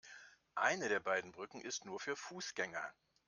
Eine der beiden Brücken ist nur für Fußgänger.